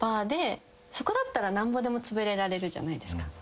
そこだったら何ぼでもつぶれられるじゃないですか。